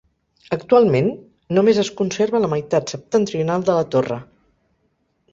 Actualment, només es conserva la meitat septentrional de la torre.